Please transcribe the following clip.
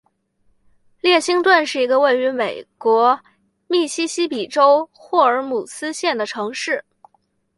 列辛顿是一个位于美国密西西比州霍尔姆斯县的城市。